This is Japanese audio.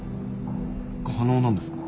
可能なんですか？